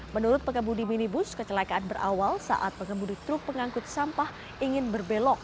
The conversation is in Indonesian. menurut pengemudi minibus kecelakaan berawal saat pengemudi truk pengangkut sampah ingin berbelok